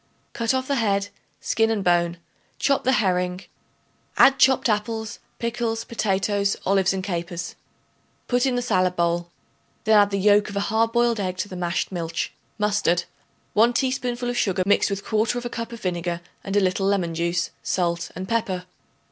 Cut off the head, skin and bone; chop the herring; add chopped apples, pickles, potatoes, olives and capers. Put in the salad bowl; then add the yolk of a hard boiled egg to the mashed milch, mustard, 1 teaspoonful of sugar mixed with 1/4 cup of vinegar and a little lemon juice, salt and pepper.